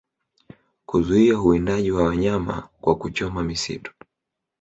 kuzuia uwindaji wa wanyama kwa kuchoma misitu